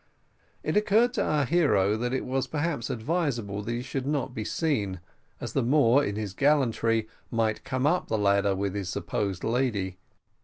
It occurred to our hero that it was perhaps advisable that he should not be seen, as the Moor, in his gallantry, might come up the ladder with the supposed lady.